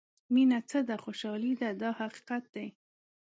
مینه څه ده خوشالۍ ده دا حقیقت دی.